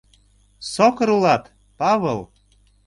Сокыр улат, Павыл!